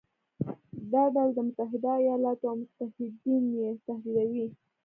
دا ډلې د متحده ایالاتو او متحدین یې تهدیدوي.